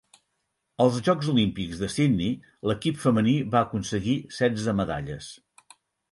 Als Jocs Olímpics de Sidney l'equip femení va aconseguir setze medalles.